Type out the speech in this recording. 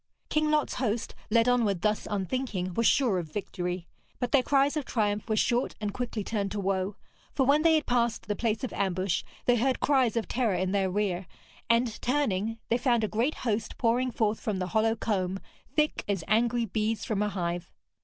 King Lot's host, led onward thus unthinking, were sure of victory. But their cries of triumph were short and quickly turned to woe; for when they had passed the place of ambush, they heard cries of terror in their rear, and turning, they found a great host pouring forth from the hollow combe, thick as angry bees from a hive.